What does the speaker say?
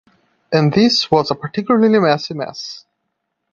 And this was a particularly messy mess.